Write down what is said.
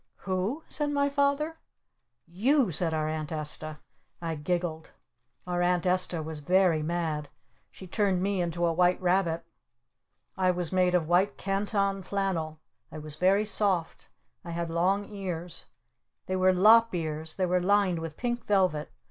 "Who?" said my Father. "You!" said our Aunt Esta. I giggled. Our Aunt Esta was very mad. She turned me into a White Rabbit. I was made of white canton flannel. I was very soft. I had long ears. They were lop ears. They were lined with pink velvet.